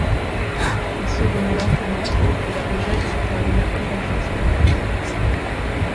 Il se remet lentement et la rejette car il n'a plus confiance en elle.